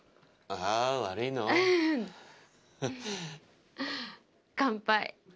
あぁ乾杯。